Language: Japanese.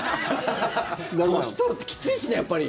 年取るってきついっすねやっぱり。